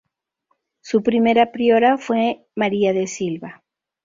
Su primera priora fue María de Silva.